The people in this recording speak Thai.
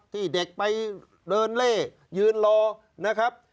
ที่เด็กไปเดินเล่ยืนรอนะครับ